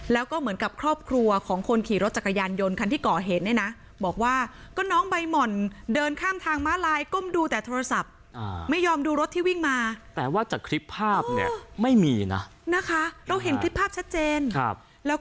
แล้วก็เหมือนกับครอบครัวของคนขี่รถจักรยานยนต์คันที่เกาะเหตุเนี่ยนะ